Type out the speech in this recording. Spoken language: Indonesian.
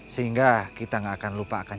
sehingga kita gak akan lupakan